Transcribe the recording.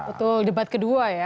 betul debat kedua ya